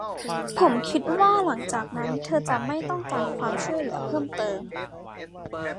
ผมคิดว่าหลังจากนั้นเธอจะไม่ต้องการความช่วยเหลือเพิ่มเติม